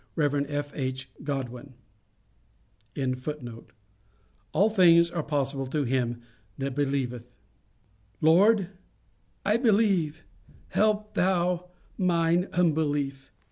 Rev. F.H. Godwin).] All things are possible to him that believeth." "Lord, I believe; help thou mine unbelief."